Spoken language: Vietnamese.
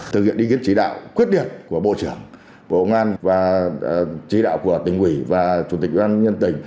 thực hiện ý kiến chỉ đạo quyết định của bộ trưởng bộ ngoan và chỉ đạo của tỉnh quỷ và chủ tịch doan nhân tỉnh